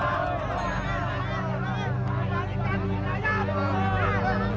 bandar itu harus